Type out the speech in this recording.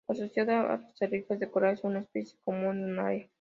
Asociada a arrecifes de coral, es una especie común en su área.